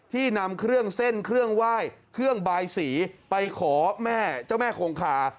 นำเครื่องเส้นเครื่องไหว้เครื่องบายสีไปขอแม่เจ้าแม่คงคา